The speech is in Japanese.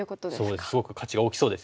すごく価値が大きそうですよね。